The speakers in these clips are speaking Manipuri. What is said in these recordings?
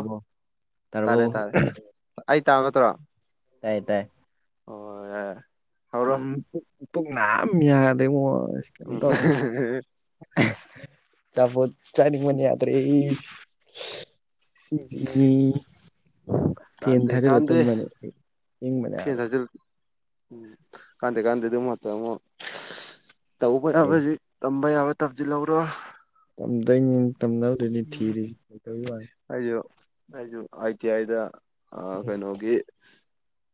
ꯕꯣ ꯇꯥꯔꯦ ꯇꯥꯔꯕꯣ ꯇꯥꯔꯦ ꯑꯩ ꯇꯥꯒꯗ꯭ꯔꯣ ꯇꯥꯏ ꯇꯥꯏ ꯑꯣ ꯍꯧꯔꯣ ꯎꯝ ꯇ ꯅ ꯃꯤ ꯌꯥꯗꯉ ꯏꯝ ꯎꯝ ꯇꯧ ꯆꯄꯣ ꯆꯅꯤ ꯃꯅꯤ ꯌꯥꯗ꯭ꯔꯦ [inaudible] ꯐꯦꯟ ꯀꯥꯟꯗꯦ ꯊꯥꯖꯤꯜꯂ ꯀꯥꯟꯗ ꯇꯨꯝꯕꯅꯦ ꯏꯪꯕꯅ ꯐꯦꯟꯗ ꯌꯥꯗ꯭ꯔꯦ ꯆ ꯎꯝ ꯀꯥꯟꯗꯦ ꯀꯥꯟꯗꯦꯗꯨ ꯃ ꯑꯃ ꯇꯧꯕꯕ ꯀꯩ ꯌꯥꯎꯕꯖꯤ ꯇꯝꯕ ꯌꯥꯎꯕ ꯇꯞꯖꯤꯜꯔꯣ ꯇꯝꯗꯣꯏꯅꯤ ꯇꯝꯅꯧꯔꯤꯅꯤ ꯊꯤꯔꯤ ꯀꯅꯤ ꯑꯩꯁꯨ ꯑꯩꯁꯨ ꯑꯥꯏ ꯇꯤ ꯑꯥꯏꯗ ꯎꯝ ꯀꯩꯅꯣꯒꯤ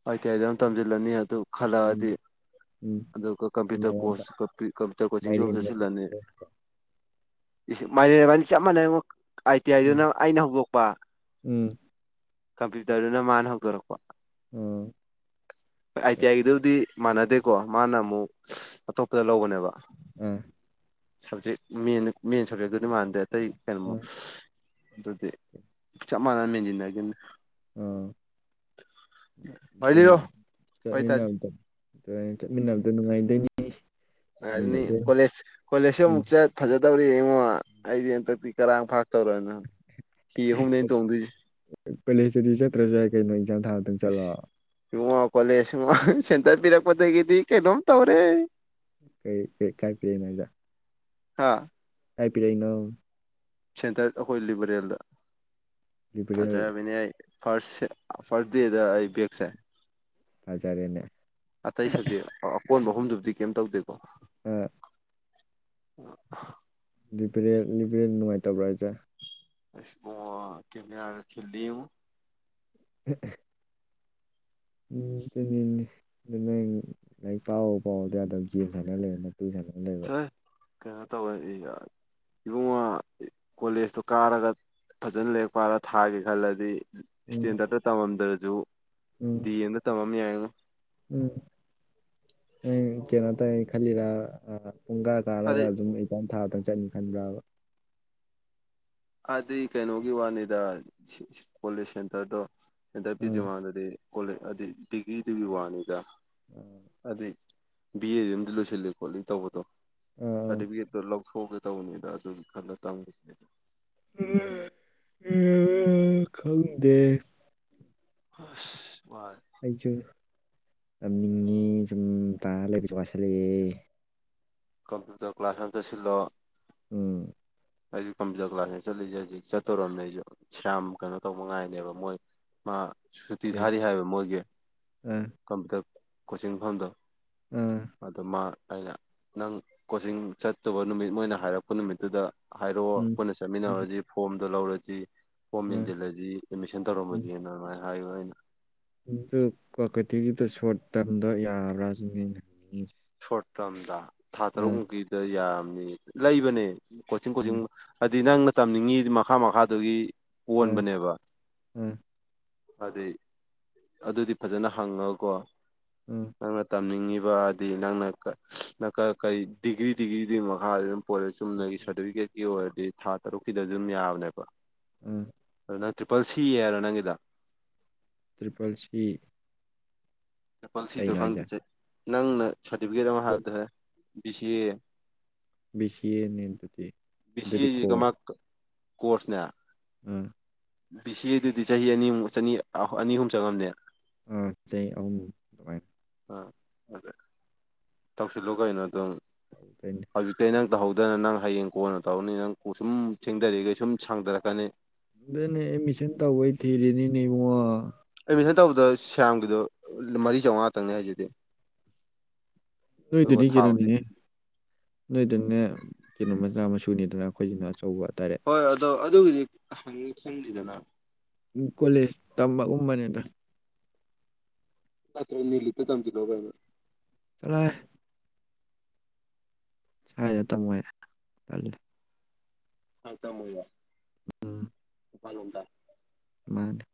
ꯍꯇ ꯑꯩꯗꯤ ꯑꯗꯨꯝ ꯇꯝꯁꯤꯜꯂꯅꯤ ꯑꯗꯨ ꯈꯜꯂꯛꯑꯗꯤ ꯎꯝ ꯑꯗꯨꯒ ꯀꯝꯄ꯭ꯌꯨꯇꯔ ꯎꯝ ꯀꯣꯁ ꯀꯝꯄ꯭ꯌꯨꯇꯔ ꯀꯣꯆꯤꯡꯁꯨꯝ ꯃꯥꯏꯔꯦꯟꯒ ꯆꯠꯁꯤꯜꯂꯅꯤ ꯊꯣꯡꯕꯗꯣ ꯃ ꯃꯅꯤ ꯆꯃꯅꯦ ꯑꯥꯏ ꯇꯤ ꯎꯝ ꯑꯥꯏꯗꯨꯅ ꯑꯩꯅ ꯍꯧꯗꯣꯛꯄ ꯎꯝ ꯀꯝꯄ꯭ꯌꯨꯇꯔꯗꯨꯅ ꯃꯥꯅ ꯍꯧꯗꯣꯔꯛꯄ ꯎꯝ ꯍꯣꯏ ꯑꯥꯏ ꯇꯤ ꯑꯥꯏꯒꯤꯗꯨꯕꯨꯗꯤ ꯃꯥꯟꯅꯗꯦꯀꯣ ꯃꯥꯅ ꯑꯃꯨꯛ ꯑꯇꯣꯞꯄꯗ ꯂꯧꯕꯅꯦꯕ ꯑꯥ ꯁꯕꯖꯦꯛꯦꯟ ꯃꯦꯟ ꯁꯕꯖꯦꯛꯇꯨꯗꯤ ꯃꯥꯟꯗꯦ ꯑꯇꯩ ꯀꯩꯅꯣꯃ ꯑꯥ ꯑꯗꯨꯗꯤ ꯆꯞ ꯃꯥꯟꯅꯅ ꯃꯦꯟꯁꯤꯟꯅꯒꯦꯅꯤ ꯎꯝ ꯋꯥꯔꯤ ꯑꯗꯨꯅꯤ ꯂꯤꯔꯣ ꯋꯥꯔꯤ ꯇꯥꯁꯤ ꯆꯠꯃꯤꯟꯅꯕꯗꯣ ꯑꯗꯨ ꯆꯠꯃꯤꯟꯅꯕꯗꯣ ꯅꯨꯡꯉꯥꯏꯗꯣꯏꯅꯤ ꯑꯅꯤ ꯆꯠꯃꯤꯟꯅꯕꯗꯣ ꯀꯣꯂꯁ ꯀꯣꯂꯦꯁ ꯎꯝ ꯃꯛ ꯐꯖ ꯇꯕ ꯑꯣ ꯑꯩꯗꯤ ꯍꯟꯇꯛꯇꯤ ꯀꯔꯥꯡ ꯐꯥꯛ ꯇꯧꯔꯅ ꯍꯤ ꯑꯍꯨꯝꯗꯩꯅ ꯇꯣꯡꯗꯣꯏꯁꯦ ꯀꯣꯂꯦꯖꯇꯗꯤ ꯆꯠꯇ꯭ꯔꯁꯨ ꯌꯥꯏ ꯀꯩꯅꯣ ꯑꯦꯛꯖꯥꯝ ꯊꯥꯔꯛꯇꯪ ꯆꯠꯂꯣꯑꯣ ꯀꯣꯂꯦꯖꯨꯝ ꯁꯦꯟꯇꯔ ꯄꯤꯔꯛꯄꯗꯒꯤꯗꯤ ꯀꯩꯅꯣꯝ ꯇꯧꯔꯦ ꯀꯩ ꯀ ꯀꯥꯏ ꯄꯤ ꯃꯖꯥ ꯍꯥꯥ ꯍꯥꯏ ꯄꯔꯏꯅꯣ ꯁꯦꯟꯇꯔ ꯑꯩꯈꯣꯏ ꯂꯤꯕꯔꯦꯜꯗ ꯂꯤꯕꯔꯦꯜ ꯐꯖꯕꯅꯦ ꯑꯩ ꯐꯥꯔꯁꯦ ꯐꯥꯔꯁ ꯗꯦꯗ ꯑꯩ ꯕꯦꯛꯁꯦ ꯍꯖꯔꯅꯦ ꯑꯇꯩ ꯁꯖꯦꯛ ꯑꯀꯣꯟꯕ ꯑꯍꯨꯝꯗꯨꯕꯨꯗꯤ ꯀꯩꯝ ꯇꯧꯗꯦꯀꯣ ꯑ ꯎꯝ ꯂꯤꯄꯔꯦ ꯂꯤꯄꯔꯦꯟ ꯅꯨꯡꯉꯥꯏꯇꯕ꯭ꯔꯥ ꯍꯥꯏꯁꯦ ꯑꯕꯨ ꯀꯦꯝ ꯌꯥꯔ ꯈꯈꯤꯜꯜꯂꯤꯨ ꯎꯝ ꯎꯝꯃꯤ ꯑꯗꯨ ꯂꯥꯏꯔꯤꯛ ꯄꯥꯎ ꯄꯥꯎꯗ ꯑꯗꯨꯝ ꯌꯦꯦꯝ ꯁꯥꯟꯅ ꯂꯩ ꯇꯨ ꯁꯥꯟꯗꯅ ꯂꯩꯕ ꯆꯠ ꯀꯩꯅꯣ ꯇꯧꯋ ꯌꯥ ꯏꯕꯨꯡꯉꯣ ꯀꯣꯂꯦꯖꯇꯣ ꯀꯥꯔꯒ ꯐꯖꯅ ꯂꯔꯞꯄꯔ ꯊꯥꯒꯦ ꯈꯜꯂꯗꯤ ꯎꯝ ꯏꯁꯇꯦꯟꯗꯔꯗꯠꯇ ꯇꯝꯃꯝꯗ꯭ꯔꯁꯨ ꯎꯝ ꯗꯤ ꯑꯦꯝꯗ ꯇꯝꯃꯝ ꯌꯥꯏꯣ ꯎꯝ ꯈꯜꯂꯤꯔꯥ ꯄꯨꯡ ꯀꯥ ꯀꯥꯔꯒ ꯍꯥꯏꯗꯤ ꯑꯗꯨꯝ ꯑꯩꯖꯝ ꯊꯥꯗꯪ ꯆꯟ ꯈꯟꯕ꯭ꯔꯕ ꯑꯗꯨꯗꯤ ꯀꯩꯅꯣꯒꯤ ꯋꯥꯅꯤꯗ ꯀꯣꯂꯦꯖ ꯁꯦꯟꯇꯔꯗꯣ ꯑꯦꯟꯇ ꯑꯥ ꯄꯤꯗ꯭ꯔꯤꯉꯥꯟꯗꯗꯤ ꯀꯣꯂꯦ ꯍꯥꯏꯗꯤ ꯗꯤꯒ꯭ꯔꯤꯗꯨꯒꯤ ꯋꯥꯅꯤꯒ ꯍꯥꯏꯗꯤ ꯕꯤ ꯑꯦꯗꯨ ꯑꯃꯗꯤꯝ ꯂꯣꯏꯁꯤꯜꯂꯤ ꯈꯣꯠꯂꯤ ꯇꯧꯕꯗꯣ ꯑꯥ ꯑꯥ ꯁꯥꯔꯇꯤꯐꯤꯀꯦꯠꯇꯣ ꯊꯣꯛꯒꯦ ꯇꯧꯕꯅꯤꯗ ꯑꯗꯨꯒꯤ ꯈꯟꯗ ꯇꯝꯈꯤꯁꯤꯅꯦꯗ ꯎ ꯈꯪꯗꯦ ꯃꯥ ꯑꯩꯁꯨ ꯇꯝꯅꯤꯡꯉ ꯁꯨꯝ ꯇꯥꯔ ꯂꯩꯕꯁꯨ ꯋꯥꯁꯜꯂꯛꯑꯦ ꯀꯝꯄꯤꯨꯇꯔ ꯀ ꯀ꯭ꯂꯥꯁ ꯑꯃꯗ ꯁꯤꯂꯣ ꯎꯝ ꯑꯩꯁ ꯀꯝꯄ꯭ꯌꯨꯇꯔ ꯀ꯭ꯂꯥꯁꯅꯦ ꯆꯠꯂꯤꯁꯦ ꯍꯧꯖꯤꯛ ꯆꯠꯇꯣꯔꯣꯝꯅꯦ ꯑꯩꯁꯨ ꯁꯌꯥꯝ ꯀꯩꯅꯣ ꯇꯧꯕ ꯉꯥꯏꯅꯦꯕ ꯃꯣꯏ ꯃꯥ ꯁꯨꯇꯤ ꯀꯩ ꯊꯥꯔꯤ ꯍꯥꯏꯕ ꯃꯣꯏꯒꯤ ꯑꯥ ꯀꯝꯄꯌꯨꯇꯔ ꯀꯣꯆꯤꯡ ꯃꯐꯝꯗꯣ ꯑꯥ ꯃꯃ ꯑꯩꯅ ꯅꯪ ꯀꯣꯆꯤꯡ ꯆꯠꯇꯕ ꯅꯨꯃꯤꯠ ꯃꯣꯏꯅ ꯍꯥꯏꯔꯛꯄ ꯅꯨꯃꯤꯠꯇꯨꯗ ꯍꯥꯏꯔꯛꯑꯣ ꯎꯝ ꯄꯨꯣꯏꯟꯅ ꯎꯝ ꯆꯠꯃꯤꯟꯅꯔꯁꯤ ꯐꯣꯝꯗꯣ ꯂꯧꯔꯁꯤ ꯣꯔ ꯑꯥ ꯃꯦꯟꯖꯦꯜꯂꯗꯤ ꯑꯦꯗꯃꯤꯁꯟ ꯎꯝ ꯇꯧꯔꯝꯃꯗꯤꯅ ꯑꯗꯨꯃꯥꯏꯅ ꯍꯥꯏꯌꯣ ꯑꯩꯅ ꯑꯗꯨ ꯀ꯭ꯋꯥꯀꯥꯇꯤꯒꯤꯗ ꯁꯣꯔꯠ ꯇꯥꯔꯝꯗꯣ ꯌꯥꯕ꯭ꯔꯥꯁꯨꯅꯦ ꯍꯪꯅꯤꯡꯉꯁꯤꯦ ꯁꯣꯔꯠ ꯇꯥꯔꯝꯗ ꯊꯥ ꯇꯔꯨꯛ ꯃꯨꯛꯀꯤꯗ ꯌꯥꯔꯝꯅꯤ ꯂꯩꯕꯅꯦ ꯀꯣꯆꯤꯡ ꯀꯣꯆꯤꯡ ꯎꯝ ꯍꯥꯏꯗꯤ ꯅꯪꯅ ꯇꯝꯅꯤꯡꯉꯤ ꯃꯈꯥ ꯃꯈꯥꯗꯨꯒꯤ ꯑꯥ ꯑꯣꯟꯕꯅꯦꯕ ꯑꯥ ꯑꯗꯨꯗꯤ ꯑꯗꯨꯗꯤ ꯐꯖꯅ ꯍꯪꯉꯒꯀꯣ ꯑꯥ ꯅꯪꯅ ꯇꯝꯅꯤꯡꯉꯤꯕ ꯍꯥꯏꯗꯤ ꯅꯪ ꯀꯔꯤ ꯗꯤꯒ꯭ꯔꯤ ꯗꯤꯒ꯭ꯔꯤꯗꯨꯒꯤ ꯃꯈꯥ ꯄꯣ ꯆꯨꯝꯅꯒꯤ ꯁꯥꯔꯇꯤꯐꯤꯀꯦꯠꯀꯤ ꯑꯣꯏꯔꯗꯤ ꯊꯥ ꯇꯔꯨꯛꯀꯤꯗ ꯑꯗꯨꯝ ꯌꯥꯕꯅꯦꯕ ꯎꯝ ꯑꯗꯨ ꯅꯪ ꯇ꯭ꯔꯤꯄꯜ ꯁꯤꯌꯦꯔꯣ ꯅꯪꯒꯤꯗ ꯇ꯭ꯔꯤꯄꯜꯁꯤ ꯆꯄꯜꯁꯤꯗꯣ ꯈꯪꯗꯁꯦ ꯅꯪꯅ ꯁꯥꯔꯇꯤꯐꯤꯀꯦꯠ ꯑꯃ ꯀꯣꯠ ꯍꯥꯞꯗꯔꯦ ꯕꯤ ꯁꯤ ꯑꯦ ꯁꯤꯤꯅꯤ ꯑꯗꯨꯗꯤ ꯕꯤ ꯁꯤ ꯑꯗꯨꯗꯤ ꯑꯦꯁꯤ ꯀꯣꯔꯔ ꯀꯃꯥꯏ ꯀꯣꯔꯁꯅꯦ ꯎꯝ ꯕꯤ ꯁꯤ ꯑꯦꯗꯨꯗꯤ ꯆꯍꯤ ꯑꯅꯤꯃ ꯆꯅꯤ ꯑꯅꯤ ꯑꯍꯨꯝ ꯆꯪꯉꯝꯅꯦ ꯑꯥ ꯑ ꯅꯨꯡꯉꯥꯏ ꯑꯥ ꯑꯗꯨ ꯇꯧꯁꯤꯜꯂꯨ ꯀꯩꯅꯣ ꯑꯗꯨꯝ ꯇꯧꯗꯣꯏꯅꯦ ꯍꯧꯖꯤꯛꯇꯤ ꯅꯪ ꯇꯧꯍꯧꯗꯅ ꯅꯪ ꯍꯌꯦꯡ ꯀꯣꯟꯅ ꯇꯧꯔꯅꯤ ꯅꯪ ꯀ ꯁꯨꯝ ꯊꯦꯡꯗꯔꯤꯈꯩ ꯁꯨꯝ ꯁꯥꯡꯗꯔꯛꯀꯅꯤ ꯑꯗꯨꯗꯅꯦ ꯑꯦꯠꯃꯤꯁꯟ ꯇꯧꯕꯩ ꯊꯤꯔꯤꯦꯅꯤꯅꯦ ꯏꯕꯨꯡꯉꯣ ꯇꯧꯕ ꯁꯒꯤꯗ ꯃꯔꯤ ꯆꯃꯉ ꯉꯥꯛꯇꯅꯤ ꯍꯥꯏꯖꯗꯦ ꯅꯣꯏꯗꯨꯗꯤ ꯀꯩꯅꯣꯅꯤꯍꯦ ꯅꯣꯏꯗꯨꯪꯅꯦ ꯀꯩꯅꯣ ꯃꯆꯥ ꯃꯁꯨꯅꯤꯗꯅ ꯑꯩꯈꯣꯏꯁꯤ ꯑꯆꯧꯕ ꯇꯔꯦꯠ ꯑꯗꯨ ꯍꯧꯗꯤ ꯍꯪꯉꯤ ꯈꯗꯗꯅ ꯀꯣꯂꯦꯖ ꯇꯝꯕꯒꯨꯝꯕꯅꯤꯗ ꯂꯅꯤ ꯂꯤꯇ ꯊꯝ ꯊ ꯂꯣꯒꯅ ꯇꯔꯦ ꯍꯥꯏ ꯇꯥꯏ ꯆ ꯑ ꯇꯃꯂ ꯐꯜꯗ ꯟ [unintelligible] [inaudible]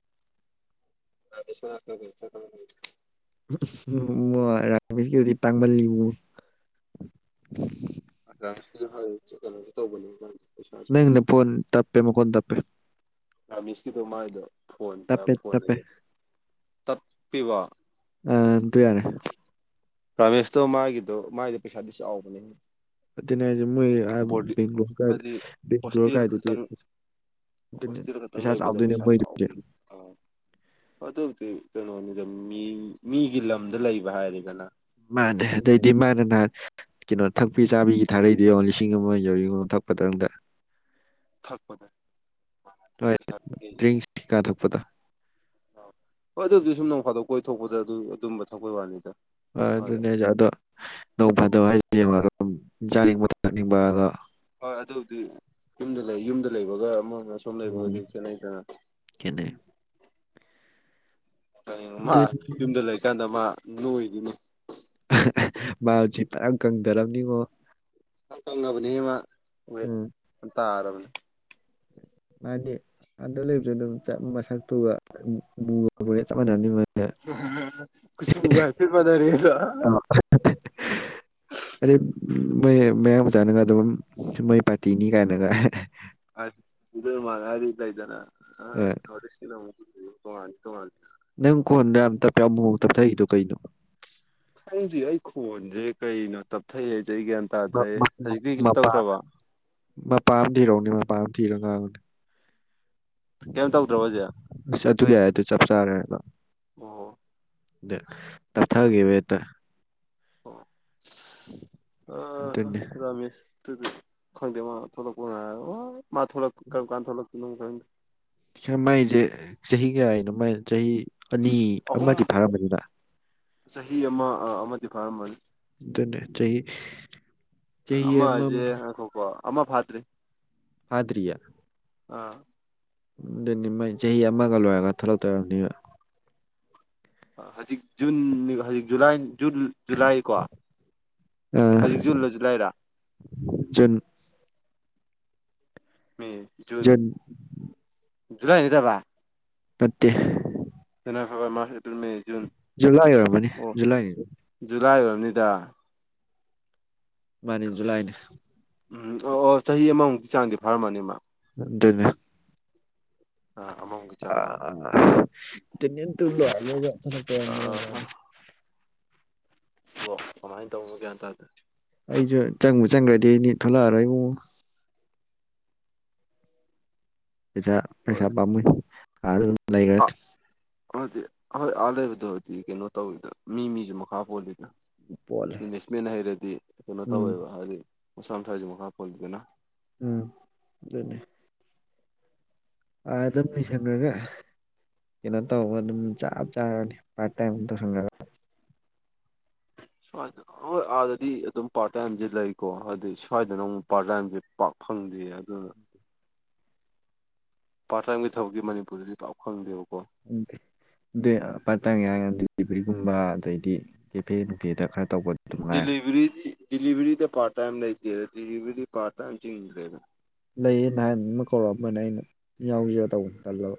ꯔꯁ ꯆ ꯎ ꯔꯥꯕꯤꯀꯤꯗꯤ ꯇꯥꯡꯃꯜꯜꯂꯤꯕꯨ ꯥꯁ ꯍꯀ ꯇꯧ ꯅ ꯐꯣꯟ ꯇꯄꯦ ꯃ ꯀꯣꯟ ꯇꯄ ꯔꯥꯃꯤꯁꯀꯤꯗꯣ ꯃꯥꯏꯗꯣ ꯐꯣꯟ ꯇꯞꯄꯦ ꯐꯣꯟ ꯇꯞꯄꯦ ꯇꯠꯄꯤꯕ ꯑ ꯑꯗꯨ ꯌꯥꯔꯦ ꯔꯥꯃꯦꯁꯇꯣ ꯃꯥꯒꯤꯗꯣ ꯃꯥꯒꯤꯗꯣ ꯄꯩꯁꯥꯗꯤ ꯆꯥꯎꯕꯅꯤ ꯑꯗꯨꯅꯦ ꯍꯥꯏꯁꯦ ꯃꯣꯏ ꯕꯦꯡꯒ꯭ꯂ ꯍꯥꯏꯗꯤ ꯕꯦꯡꯒꯂꯣꯔ ꯀꯥꯏꯗꯒꯤ ꯍꯣꯁꯇꯤꯜ ꯈꯛꯇꯪ ꯂꯩꯕꯗ ꯄꯩꯁꯥ ꯆꯥꯎꯒ ꯑ ꯑꯗꯨ ꯀꯩꯅꯣꯅꯤꯗ ꯃꯤ ꯃꯤꯒꯤ ꯂꯝꯗ ꯂꯩꯕ ꯍꯥꯏꯔꯦꯗꯅ ꯃꯥꯅꯦꯦ ꯑꯗꯩꯗꯤ ꯃꯥꯅ ꯅꯍꯥꯟ ꯀꯩꯅꯣ ꯊꯛꯄꯤ ꯆꯥꯕꯤꯒꯤ ꯊꯥꯔꯩꯗꯤ ꯌꯦꯡꯉ ꯂꯤꯁꯤꯡ ꯑꯃ ꯌꯎꯔꯤꯒ ꯂꯥꯛꯄꯗꯪꯗ ꯊꯛꯄꯗ ꯍꯣꯏꯔꯤ ꯀꯥꯊꯣꯛꯄꯊ ꯍꯣꯏ ꯑꯗꯨꯕꯨꯗꯤ ꯁꯨꯝ ꯅꯣꯡ ꯐꯥꯗꯣꯛ ꯀꯣꯏ ꯊꯣꯛꯣꯛꯄꯗ ꯑꯗꯨ ꯑꯗꯨꯝꯕ ꯊꯛꯄꯩ ꯋꯥꯅꯤꯗ ꯍꯣꯏ ꯑꯗ ꯑꯗꯨꯅꯦꯖ ꯑꯗꯣ ꯅꯣꯡ ꯐꯥꯗ ꯍꯥꯏꯁꯦ ꯃꯔꯣ ꯌꯥꯥꯅꯤꯡꯕ ꯊꯥꯛꯅꯤꯡꯕꯒ ꯍꯣꯏ ꯑꯗꯨꯕꯨꯗꯤ ꯌꯨꯝꯗ ꯂꯩ ꯌꯨꯝꯗ ꯂꯩꯕꯒ ꯑꯃ ꯁꯣꯝ ꯂꯩ ꯎꯝ ꯂꯩꯕ ꯆꯅ ꯀꯅ ꯈꯦꯠꯅꯩ ꯀꯣ ꯃꯥ ꯌꯨꯝꯗ ꯂꯩꯀꯥꯟꯗ ꯃꯥ ꯅꯣꯏꯈꯤꯅꯤ ꯍꯧꯖꯤ ꯄꯨꯔꯥ ꯀꯪꯗꯔꯕꯅꯤꯉꯣ ꯐꯪꯉꯕꯅꯤ ꯍ ꯃꯥ ꯎꯝ ꯍ ꯇꯥꯔꯕꯅꯦ [unintelligible] [inaudible] ꯃꯥꯗꯤ ꯑꯗꯨ ꯂꯩꯕꯁꯨ ꯑꯗꯨꯝ ꯃꯁꯛꯇꯨꯒ ꯆꯞꯥꯟꯅ ꯒ ꯐ ꯄꯔꯦ [inaudible] ꯑ [unintelligible] [unintelligible] [inaudible] ꯑꯗꯩ ꯃ ꯃꯌꯥꯝ ꯃ ꯆꯥꯅꯒ ꯑꯗꯨꯝ ꯃꯣꯏ ꯄꯥꯔꯇꯤꯅꯤ ꯀꯥꯏꯅꯒ ꯃꯥꯔꯤꯗ ꯏꯗꯅ ꯑꯁ ꯅꯪ ꯀꯣꯟꯗ ꯑꯇꯞꯄ ꯌꯥ ꯃꯑꯣꯡ ꯇꯞꯊꯏꯗꯣ ꯀꯩꯅꯣ ꯈꯪꯗꯤ ꯑꯩ ꯈꯣꯟꯁꯦ ꯀꯩꯩꯅꯣ ꯇꯞꯊꯩ ꯑꯩ ꯒ꯭ꯌꯥꯟ ꯇꯥꯗ꯭ꯔꯦ ꯍꯧꯖꯤꯛꯇꯤ ꯀꯩꯁꯨ ꯃꯄꯥ ꯇꯧꯗ꯭ꯔꯕ ꯃꯄꯥ ꯔꯣꯅ ꯃꯄꯥꯝ ꯊꯤꯔꯒꯅꯤ ꯀꯝ ꯇꯧꯗ꯭ꯔꯣꯕꯖꯤꯦ ꯌꯥꯏ ꯑꯗꯨ ꯆꯞ ꯆꯥꯔꯦꯗꯣ ꯑ ꯑ ꯇꯞꯊꯈꯤꯕ ꯍꯦꯛꯇ ꯑ ꯑꯗꯨꯅꯦ ꯔꯃꯦꯁ ꯈꯪꯗꯦ ꯃꯥ ꯊꯣꯛꯂꯛ ꯃꯥ ꯊꯣꯛꯂꯛ ꯀꯔ ꯀꯥꯟ ꯊꯂꯛ ꯀ ꯈꯪꯗꯦ ꯃꯥꯏꯁꯦ ꯆꯍꯤ ꯀꯌꯥꯒꯤꯅꯣ ꯃꯥꯏ ꯆꯍꯤ ꯑꯅꯤ ꯑꯍꯨꯝ ꯑꯃꯗꯤ ꯐꯥꯔꯝꯕꯅꯤꯅ ꯆꯍꯤ ꯑꯃ ꯑꯃꯗꯤ ꯐꯥꯔꯝꯃꯅꯤ ꯗꯅꯦ ꯆ ꯑꯃꯁꯦ ꯈꯣꯀꯣ ꯑꯃ ꯐꯥꯠꯇ꯭ꯔꯤ ꯑꯗ꯭ꯔꯌꯥ ꯑꯥ ꯑꯗꯨꯅꯤ ꯃ ꯆꯍꯤ ꯑꯃꯒ ꯂꯣꯏꯔꯒ ꯊꯂꯛꯇꯣꯏꯝꯅꯤꯕ ꯍꯧꯖꯤꯛ ꯖꯨꯟ ꯅꯤ ꯍꯧꯖꯤꯛ ꯖꯨꯂꯥꯏ ꯖꯨꯟ ꯖꯨꯂꯥꯏ ꯀꯣ ꯑ ꯍꯧꯖꯤꯛ ꯖꯨꯟꯂ ꯖꯨꯂꯥꯏ ꯔ ꯖꯨꯟ ꯃꯦ ꯖꯨꯟ ꯖꯨꯂꯥꯏ ꯅꯠꯇꯕꯥ ꯅꯠꯇ‌ꯦ ꯍ‌ꯣꯏ ꯍ‌ꯣꯏ ꯃꯥ ꯖꯨꯂꯥꯏ ꯑꯣꯏꯔꯝꯃꯅꯤ ꯖꯨꯂꯥꯏꯅꯤ ꯖꯨꯂꯥꯏ ꯑ‌ꯣꯏꯔꯝꯅꯤꯗ ꯃꯥꯅꯤ ꯖꯨꯂꯥꯏꯅꯦ ꯎꯝ ꯑꯣ ꯑꯣ ꯆꯍꯤ ꯑꯃꯃꯨꯛꯀꯤ ꯆꯥꯡꯗꯤ ꯐꯥꯔꯝꯃꯅꯤ ꯃꯥ ꯑꯗꯨꯅꯦ ꯑꯥ ꯑꯃꯃꯨꯛꯀꯤ ꯑ ꯆꯥꯡ ꯃꯥ [unintelligible] [inaudible] [inaudible] ꯋ‌ꯣ ꯀꯃꯥꯏꯅ ꯇꯧꯕꯅꯣ ꯒ꯭ꯌꯥꯟ ꯇꯥꯗ‌ꯦ ꯑꯩꯁꯨ ꯆꯪꯕꯨ ꯆꯪꯈ꯭ꯔꯗꯤ ꯅꯤ ꯊꯣꯛꯂꯛꯑꯔꯣꯏ ꯏꯕꯨꯨꯡꯉ‌ꯣ ꯄꯩꯁꯥ ꯍꯣꯏ ꯄꯩꯁꯥ ꯄꯥꯝꯃꯨꯏ ꯑꯥꯗ ꯑꯗꯨꯝ ꯂꯩꯈ꯭ꯔꯅ ꯑꯗꯨꯗꯤ ꯍꯣꯏ ꯑꯥ ꯂꯩꯕꯗꯨꯗꯤ ꯀꯩꯅꯣ ꯇꯧꯋꯤꯗ ꯃꯤ ꯃꯤꯒꯤ ꯃꯈꯥ ꯄꯣꯜꯂꯤꯗ ꯄꯣꯠꯂꯦ ꯏꯪꯂꯤꯁꯃꯦꯟ ꯍꯩꯔꯗꯤ ꯀꯩꯅꯣ ꯎꯝ ꯇꯧꯋꯦꯕ ꯍꯥꯏꯗꯤ ꯃꯁꯥ ꯃꯁꯥꯁꯨ ꯃꯈꯥ ꯄꯣꯜꯂꯤꯗꯅ ꯎꯝ ꯑꯗꯨꯅ‌ꯦ ꯑ ꯑꯗꯨꯝ ꯐꯤꯁꯟꯈꯔꯒ ꯀꯩꯅꯣ ꯇꯧꯕ ꯑꯗꯨꯝ ꯆꯞ ꯆꯥꯔꯅꯤ ꯄꯥꯔꯠꯇꯥꯏꯝ ꯒꯨꯝ ꯇꯧꯁꯤꯟꯈꯔꯒ ꯁꯋꯥꯏꯗ ꯍꯣꯏ ꯑꯥꯗꯗꯤ ꯑꯗꯨꯝ ꯄꯥꯔꯠ ꯇꯥꯏꯝꯁꯦ ꯂꯩꯀꯣ ꯍꯥꯏꯗꯤ ꯁ꯭ꯋꯥꯏꯗꯅ ꯑꯃꯨꯛ ꯄꯥꯔꯠ ꯇꯥꯏꯝꯁꯦ ꯄꯥꯛ ꯐ ꯐꯪꯗ‌ꯦ ꯑꯗꯨꯅ ꯄꯥꯔꯠ ꯇꯥꯏꯝꯒꯤ ꯊꯕꯛꯁꯤ ꯃꯅꯤꯄꯨꯔꯗꯗꯤ ꯄꯥꯛ ꯐꯪꯗꯦꯕꯀꯣ ꯎꯝ ꯗ‌ꯦ ꯄꯥꯔꯠ ꯇꯥꯏꯝ ꯍꯥꯏꯔꯗꯤ ꯗꯤꯂꯤꯚꯔꯤꯒꯨꯝꯕ ꯑꯗꯩꯗꯤ ꯀꯦꯐꯦ ꯕꯨꯒ‌ꯦꯗ ꯈꯔ ꯇꯧꯕꯗ ꯑꯗꯨꯝ ꯃꯉꯥꯏꯔꯦ ꯗꯤꯂꯤꯚꯔꯤꯗꯤ ꯗꯤꯂꯤꯚꯔꯤꯗ ꯄꯥꯔꯠ ꯇꯥꯏꯝ ꯂꯩꯇ‌ꯦ ꯗꯤꯂꯤꯚꯔꯤ ꯗꯤ ꯄꯥꯔꯠ ꯇꯥꯏꯝ ꯆꯤꯡꯗꯔ‌ꯦꯗ ꯂꯩꯌꯦ ꯅꯍꯥꯟ ꯑꯃ ꯀꯧꯔꯛꯑꯝꯕꯅ ꯑꯩꯅ ꯌꯥꯎꯖꯤꯔ ꯇꯧꯕꯅ‌ꯦ ꯇꯜꯂꯕ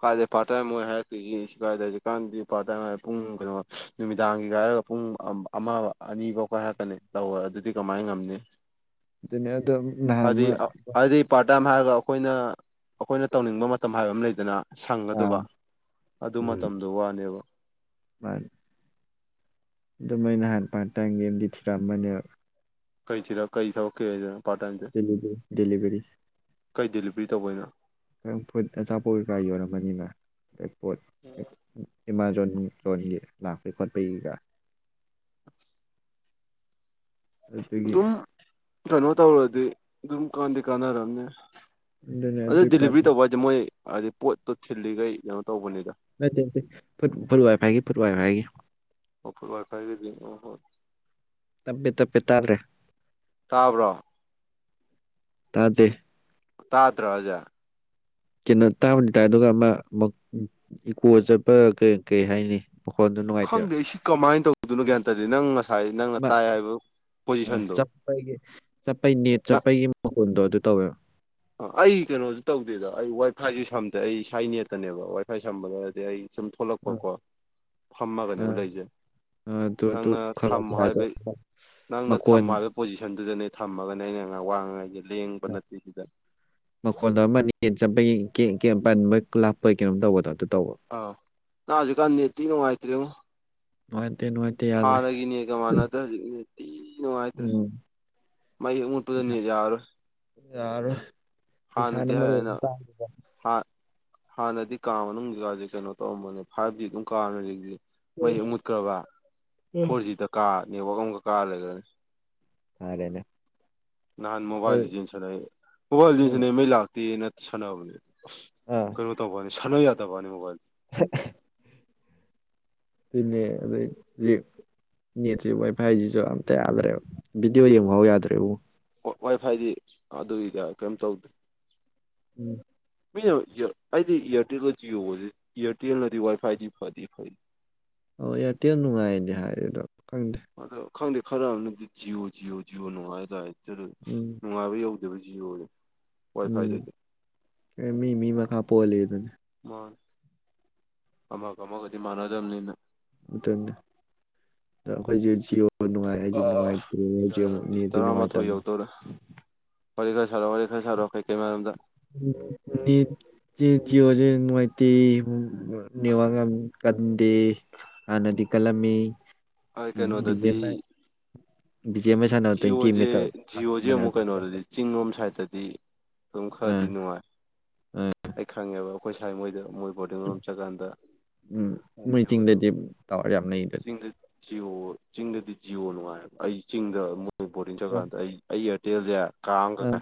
ꯀꯥꯏꯗꯩ ꯄꯥꯔꯠ ꯇꯥꯏꯝ ꯃ‌ꯣꯏ ꯍꯥꯏꯔꯛꯇꯣꯏ ꯁ‌ꯦ ꯁꯋꯥꯏꯗ ꯍꯧꯖꯤꯛꯀꯥꯟꯗꯤ ꯄꯥꯔꯠ ꯇꯥꯏꯝ ꯄꯨꯡ ꯀꯩꯅꯣ ꯅꯨꯃꯤꯗꯥꯡꯒꯤꯒ ꯍꯥꯏꯔꯒ ꯄꯨꯡ ꯄꯨꯨꯡ ꯑꯃ ꯑꯅꯤꯐꯧ ꯀ ꯍꯥꯏꯔꯛꯀꯅꯤ ꯇꯧꯋ‌ꯣ ꯑꯗꯨꯗꯤ ꯀꯃꯥꯏꯅ ꯉꯝꯅꯤ ꯑꯗꯨꯅꯦ ꯑꯗꯣ ꯅꯍꯥꯟ ꯍꯥꯏꯗꯤ ꯑꯃ ꯍꯥꯏꯗꯤ ꯄꯥꯔꯠ ꯇꯥꯏꯝ ꯍꯥꯏꯔꯒ ꯑꯩꯈꯣꯏꯅ ꯑꯩꯈꯣꯏꯅ ꯇꯧꯅꯤꯡꯕ ꯃꯇꯝ ꯍꯥꯏꯕ ꯑꯃ ꯂꯩꯗꯅ ꯑꯥ ꯁꯪꯒꯗꯨꯕ ꯑꯗꯨ ꯃꯇꯝꯗꯨ ꯋꯥꯅꯦꯕ ꯃꯥꯅ‌ꯦ ꯑꯗꯨꯃꯥꯏꯅ ꯅꯍꯥꯟ ꯄꯥꯔꯠ ꯇꯥꯏꯝꯒꯤ ꯑꯃꯗꯤ ꯊꯤꯔꯛꯑꯝꯕꯅꯦꯕ ꯀꯩ ꯊꯤꯔꯛ ꯀꯩ ꯊꯕꯛꯀꯤꯅ‌ꯣ ꯍꯥꯏꯁ‌ꯦ ꯗꯤꯂꯤꯕꯔꯤ ꯗꯦꯂꯤꯕꯔꯤ ꯀꯩ ꯗꯦꯂꯤꯚꯔꯤ ꯇꯧꯕꯩꯅꯣ ꯀꯔꯝ ꯐꯨꯠ ꯑꯆꯥꯄꯣꯠ ꯀꯩ ꯀꯥ ꯌꯣꯜꯂꯝꯃꯅꯤꯅ ꯑꯣ [unintelligible] ꯎꯝ ꯂ‌ꯣꯟꯒꯤ ꯂꯥꯛꯄꯩ ꯈꯣꯠꯄꯩꯒꯤꯒ ꯑꯗꯨꯗꯨꯒꯤ ꯑꯗꯨꯝ ꯀꯩꯅꯣ ꯇꯧꯔꯗꯤ ꯑꯗꯨꯝ ꯀꯥꯟꯗꯤ ꯀꯥꯟꯅꯔꯝꯅꯦ ꯑꯗꯨꯅ ꯑꯗꯨ ꯑꯗꯨꯏ ꯄꯥꯔꯠ ꯗꯤꯂꯤꯚꯔꯤ ꯇꯧꯕ ꯍꯥꯏꯗꯤ ꯃꯣꯏ ꯑꯗꯨꯗꯤ ꯄꯣꯠꯇꯣ ꯊꯤꯜꯂꯤꯈꯩ ꯀꯩꯅꯣ ꯇꯧꯕꯅꯦ ꯅꯠꯇ‌ꯦ ꯅꯠꯇ‌ꯦ ꯐꯨꯠ ꯐꯨꯠ ꯋꯥꯏꯐꯥꯏꯒꯤ ꯐꯨꯠ ꯋꯥꯏꯐꯥꯏꯒꯤ ꯑꯣ ꯐꯨꯠ ꯋꯥꯏꯐꯥꯏꯒꯤꯗꯤ ꯑꯣ ꯍꯣꯏ ꯇꯞꯄꯦ ꯇꯞꯄꯦ ꯇꯥꯗꯔ‌ꯦ ꯇꯥꯕꯔ‌ꯣ ꯇꯥꯗ‌ꯦ ꯇꯥꯗꯔ‌ꯣ ꯑꯖ‌ꯦ ꯀꯩꯅꯣ ꯇꯥꯕꯗꯤ ꯇꯥꯏ ꯑꯗꯨꯒ ꯑꯃ ꯑꯃꯨꯛ ꯏꯀꯣ ꯆꯠꯄ ꯀꯩ ꯀꯩ ꯍꯥꯏꯅꯤ ꯃꯈꯣꯟꯗꯣ ꯅꯨꯡꯉꯥꯏꯇꯦꯕ ꯈꯪꯗꯦ ꯁꯤ ꯀꯃꯥꯏꯅ ꯇꯧꯗꯣꯏꯅꯣ ꯒ꯭ꯌꯥꯟꯇꯗꯤ ꯅꯪ ꯉꯁꯥꯏ ꯅꯪꯅ ꯇꯥꯏ ꯍꯥꯏꯕ ꯄꯣꯖꯤꯁꯟꯗꯣ ꯆꯠꯄꯒꯤ ꯆꯠꯄꯩ ꯅꯦꯠ ꯆꯠꯄꯒꯤ ꯃꯈꯨꯣꯟꯗꯣ ꯑꯗꯨ ꯇꯧꯋꯦꯕ ꯑ ꯑꯩ ꯀꯩꯅꯣꯁꯨ ꯇꯧꯗꯦꯗ ꯑꯩ ꯋꯥꯏ ꯐꯥꯏꯁꯨ ꯁꯝꯗꯦ ꯑꯩ ꯏꯁꯥ ꯅꯦꯠꯇꯅꯦꯕ ꯋꯥꯏ ꯐꯥꯏ ꯁꯝꯕꯗꯗꯤ ꯑꯩ ꯁꯨꯝ ꯑ, ꯊꯣꯛꯂꯛꯄꯀꯣ ꯐꯥꯝꯃ ꯑ, ꯀꯩꯅꯣ ꯂꯩꯖꯩ ꯑ, ꯑꯗꯨ ꯑꯗꯨ ꯅꯪꯅ ꯈꯔ ꯊꯝꯃ ꯑꯗꯨ ꯍꯥꯏꯕ ꯅꯪꯅ ꯃꯈꯣꯟ ꯊꯝꯃꯣ ꯍꯥꯏꯕ ꯄꯣꯖꯤꯁꯟꯗꯨꯗꯅꯦ ꯊꯝꯃꯒꯅꯦ ꯑꯩꯅ ꯉꯥꯡ ꯋꯥꯡꯉꯉꯥꯏꯁꯦ ꯂꯦꯡꯕ ꯅꯠꯇꯦ ꯁꯤꯗ ꯃꯈꯣꯟꯗ ꯑꯃ ꯆꯠꯄꯒꯤꯟꯕ ꯂꯞꯄꯒꯤ ꯀꯩꯅꯣꯝ ꯇꯧꯕꯗꯣ ꯑꯗꯨ ꯇꯧꯕ ꯑꯥꯎ ꯅ ꯍꯧꯖꯤꯛꯀꯥꯟ ꯅꯠꯇꯅꯅꯨꯡꯉꯥꯏꯇ꯭ꯦꯃꯣ ꯅꯨꯡꯉꯥꯏꯇꯦ ꯅꯨꯡꯉꯥꯏꯇꯦ ꯌꯥꯗ꯭ꯔꯦ ꯃꯇ꯭ꯔꯦ ꯎꯝ ꯃꯥꯏ ꯎꯠꯄꯗꯅꯤ ꯌꯥꯔ ꯌꯥꯔꯣꯏ ꯏꯁꯩꯥꯅ ꯃꯔꯨ ꯑꯩꯅ ꯇꯥ ꯍꯥꯟ ꯍꯥꯟꯅꯗꯤ ꯀꯥ ꯃꯅꯨꯡꯒꯤꯀꯥꯁꯦ ꯀꯩꯅꯣ ꯇꯧꯔꯝꯕꯅꯦ ꯐꯥꯏꯚ ꯖꯤ ꯑꯗꯨꯝ ꯀꯥꯅꯁꯦ ꯃꯌꯦꯛ ꯃꯨꯠꯈ꯭ꯔꯕ ꯎꯝ ꯐꯣꯔ ꯖꯤꯗ ꯀꯥ ꯅꯦꯠꯋꯥꯛ ꯑꯃꯈꯛ ꯀꯥ ꯂꯩꯈ꯭ꯔꯅꯤ ꯑꯗꯦꯅꯦ ꯅꯍꯥꯟ ꯃꯣꯕꯥꯏꯜꯁꯤ ꯁꯥꯟꯅꯩ ꯃꯣꯕꯥꯏꯜꯗꯤ ꯎꯝ ꯁꯥꯟꯅꯩ ꯃꯩ ꯂꯥꯛꯇꯦꯅ ꯁꯥꯟꯅꯕꯅꯦ ꯑ ꯑꯥ ꯀꯩꯅꯣ ꯇꯧꯕꯅꯤ ꯁꯥꯟꯅ ꯌꯥꯗꯕꯅꯤ ꯃꯣꯕꯥꯏꯜ [inaudible] [unintelligible] ꯅꯦꯠꯁꯤ ꯋꯥꯏꯐꯥꯏꯁꯤꯁꯨ ꯑꯝꯇ ꯌꯥꯗꯂꯦꯕ ꯚꯤꯗꯤꯑꯣ ꯌꯦꯡꯍꯥꯎ ꯌꯥꯗ꯭ꯔꯦꯕꯨ ꯋꯥꯏ ꯐꯥꯏꯗꯤ ꯑꯗꯨꯒꯤꯗ ꯀꯔꯤꯝ ꯇꯧꯗꯦ ꯎꯝ ꯃꯤꯅ ꯑꯩꯗꯤ ꯏꯌꯥꯔꯇꯦꯜꯒ ꯖꯤꯑꯣꯁ ꯏꯌꯥꯔꯇꯦꯜꯅꯗꯤ ꯋꯥꯏ ꯐꯥꯏꯗꯤ ꯐꯗꯤ ꯐꯩ ꯑꯣ ꯏꯌꯥꯔꯇꯦꯜ ꯅꯨꯡꯉꯥꯏꯅꯦ ꯍꯥꯏꯔꯦ ꯑꯗꯣ ꯈꯪꯗꯦ ꯑꯗꯨꯈꯥꯡ ꯗꯦꯈꯥꯔꯅꯗꯤ ꯖꯤꯌꯣ ꯖꯤꯌꯣ ꯖꯤꯑꯣ ꯅꯣꯡꯉꯍ ꯍꯥꯏ ꯂ ꯏꯇꯔ ꯎꯝ ꯅꯅꯨꯡꯉꯕ ꯌꯥꯎ ꯑꯗꯨꯖꯤ ꯑꯣꯏꯣꯔꯦ ꯎꯝ ꯑꯦ ꯃꯤ ꯃꯤ ꯃꯈꯥ ꯄꯣꯍꯜꯂꯤꯗꯅꯦ ꯑꯃ ꯀꯃ ꯀꯗꯤ ꯃꯥꯅꯗꯝꯅꯤꯅ ꯇꯈꯩꯖꯤꯑꯣ ꯍ ꯅꯨꯡꯉꯥꯏ ꯍꯥꯏꯁꯨ ꯑꯥ ꯅꯨꯡꯉꯥꯏꯇ ꯍꯧ ꯅꯨꯡꯉꯥꯏ ꯇꯝ ꯋꯥꯔꯤꯔ ꯈꯔ ꯁꯔꯣ ꯋꯥꯔꯤ ꯈꯔ ꯁꯔꯣ ꯀꯩ ꯀꯩꯝ ꯑꯣꯖꯤ ꯃꯩꯇ ꯅꯤꯋꯥꯡꯉꯝ ꯀꯟꯗꯦ ꯍꯥꯟꯅꯗꯤ ꯀꯜꯂꯝꯃꯤ ꯑ ꯕꯤ ꯖꯤ ꯀꯥꯏꯩꯅꯣꯋꯥꯗꯗꯤ ꯑꯦꯝ ꯑꯥꯏ ꯁꯥꯟꯅꯕ ꯇ꯭ꯋꯦꯟꯇꯤ ꯑꯦꯝ ꯖꯤꯌꯑꯣꯁꯦ ꯑꯦꯁ ꯖꯤꯌꯑꯣꯁꯦ ꯁꯥꯟꯅꯔꯝꯕꯅꯦ ꯑꯃꯨꯛ ꯍꯧꯖꯤꯛ ꯀꯩꯅꯣꯗꯗꯤ ꯆꯤꯡꯂꯣꯝ ꯁꯥꯏꯠꯇꯗꯤ ꯑꯗꯨ ꯑꯥ ꯈꯔꯗꯤ ꯅꯨꯡꯉꯥꯏ ꯑꯩ ꯈꯪꯉꯦꯕ ꯑꯩꯈꯣꯏ ꯁꯥꯏ ꯃꯣꯏꯗ ꯃꯣꯏ ꯕꯣꯔꯗꯤꯡ ꯑꯃꯝ ꯎꯝ ꯆꯠꯀꯥꯟꯗꯟ ꯃꯣꯏ ꯖꯤ ꯑꯣꯗꯣ ꯆꯤꯡꯗꯗꯤ ꯇꯥꯋꯔ ꯌꯥꯝ ꯂꯩꯗꯨꯅꯤ ꯆꯤꯡꯗ ꯖꯤꯌꯑꯣ ꯆꯤꯡꯗꯗꯤ ꯖꯤꯌꯣ ꯅꯨꯡꯉꯥꯏꯕ ꯑꯩ ꯆꯤꯡꯗ ꯃꯣꯏ ꯣꯔꯠ ꯏꯡ ꯆꯠꯀꯥꯟꯗ ꯑꯩ ꯏꯌꯥꯔꯇꯦꯜꯁꯦ ꯀꯥ ꯑꯃ ꯀꯀꯥ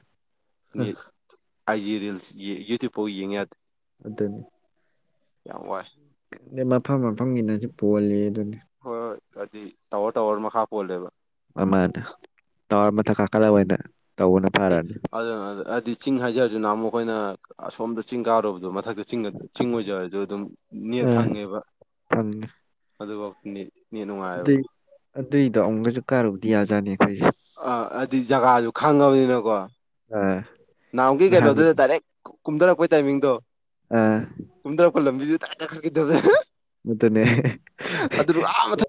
ꯑꯩꯖꯤ ꯔꯤꯜꯁ ꯌꯨꯇ꯭ꯌꯨꯕ ꯐꯥꯎ ꯌꯦꯡꯉꯦ ꯑꯗꯨꯅꯤ ꯌꯥꯝ ꯋꯥꯏ ꯑ ꯃꯐꯝ ꯃꯐꯝꯒꯤꯅꯁꯨ ꯄꯣꯜꯂꯤ ꯑꯗꯨꯅ ꯀꯗꯤ ꯇꯥꯋꯥꯔ ꯇꯧꯋꯥꯔ ꯃꯈꯥ ꯄꯣꯜꯂꯦꯕ ꯑꯃꯅꯦ ꯇꯋꯥꯔ ꯃꯊꯛ ꯀꯥꯀꯠꯂ ꯑꯣꯏꯅ ꯇꯧꯕꯅ ꯐꯔꯛꯅꯤ ꯗꯤ ꯆꯤꯡ ꯍꯥꯏꯖꯔꯁꯨꯅ ꯑꯃꯨꯛ ꯑꯩꯈꯣꯏꯅ ꯑꯁꯣꯝꯗ ꯆꯤꯡ ꯀꯥꯔꯨꯕꯗꯣ ꯃꯊꯛ ꯑꯗꯨ ꯆꯤꯡ ꯑꯣꯏꯖꯔꯁꯨ ꯑꯗꯨꯝ ꯅꯦ ꯑꯥ ꯐꯪꯉꯦꯕ ꯐꯪꯉꯦ ꯑꯗꯨ ꯑꯗꯨꯏ ꯑꯗꯨꯏꯗꯣ ꯑꯃꯨꯛꯒꯁꯨ ꯀꯥꯔꯨꯕꯗꯤ ꯌꯥꯖꯥꯅꯤ ꯑꯩꯈꯣꯏꯁꯦ ꯑ ꯑꯗꯨꯗꯤ ꯖꯒꯥꯁꯨ ꯈꯪꯉꯕꯅꯤꯅꯀꯣ ꯑꯥ ꯅꯅꯥꯍꯎꯒꯤ ꯀꯂꯣ ꯅꯍꯥꯟꯒꯤ ꯑꯗꯨꯗ ꯗꯥꯏꯔꯦꯛ ꯀꯨꯝꯊꯔꯛꯄꯒꯤ ꯇꯥꯏꯃꯤꯡꯗꯣ ꯑꯥ ꯀ ꯇꯧ ꯀꯂꯝꯃꯤꯖ ꯇ ꯈꯪꯈꯤꯗꯕꯦ ꯃꯗꯨꯅꯦ ꯑꯥ